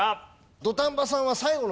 土壇場さんは最後の１問。